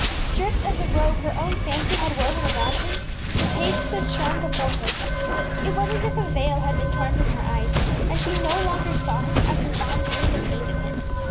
Stripped of the robe her own fancy had woven around him, the page stood shorn before her. It was as if a veil had been torn from her eyes, and she no longer saw him as her fond dreams had painted him.